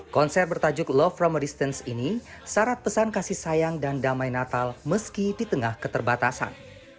konser bertajuk love from a distance ini syarat pesan kasih sayang dan damai natal meski di tengah keterbatasan